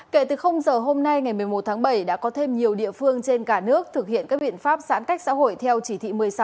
kể từ giờ hôm nay ngày một mươi một tháng bảy đã có thêm nhiều địa phương trên cả nước thực hiện các biện pháp giãn cách xã hội theo chỉ thị một mươi sáu